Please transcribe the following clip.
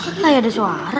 kok nggak ada suara